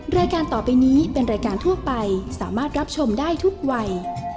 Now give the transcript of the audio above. รายการต่อไปนี้เป็นรายการทั่วไปสามารถรับชมได้ทุกวัย